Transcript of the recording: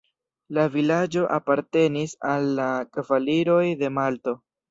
La vilaĝo apartenis al la kavaliroj de Malto.